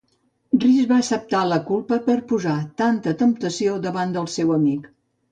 Rice va acceptar la culpa per posar "tanta temptació" davant del seu amic.